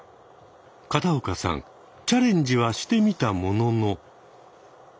片岡さんチャレンジはしてみたものの。